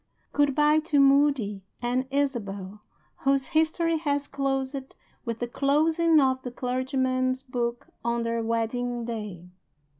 Good by to Moody and Isabel whose history has closed with the closing of the clergyman's book on their wedding day.